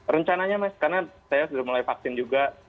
rencananya mas karena saya sudah mulai vaksin juga